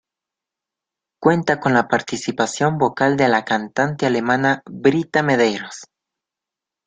Cuenta con la participación vocal de la cantante alemana Britta Medeiros.